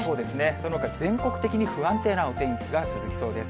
そのほか全国的に不安定なお天気が続きそうです。